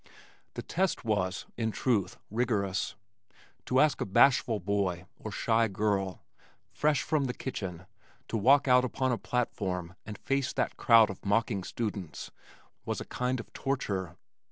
The test was, in truth, rigorous. To ask a bashful boy or shy girl fresh from the kitchen to walk out upon a platform and face that crowd of mocking students was a kind of torture.